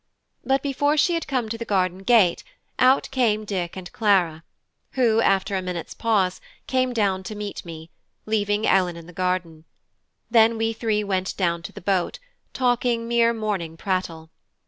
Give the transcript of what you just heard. But before she had come to the garden gate, out came Dick and Clara, who, after a minute's pause, came down to meet me, leaving Ellen in the garden; then we three went down to the boat, talking mere morning prattle.